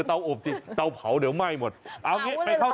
อาคารอะไรอ่ะแก้วอบก่อน